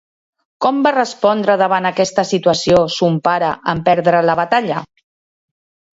Com va respondre davant aquesta situació son pare en perdre la batalla?